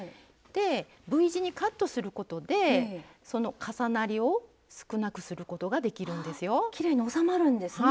Ｖ字にカットすることでその重なりを少なくすることができるんですよ。